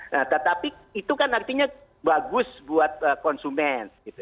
nah tetapi itu kan artinya bagus buat konsumen